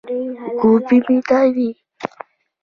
ګوبی ميده وي.